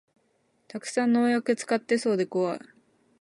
たくさん農薬使ってそうでこわい